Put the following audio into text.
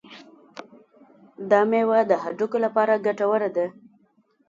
دا میوه د هډوکو لپاره ګټوره ده.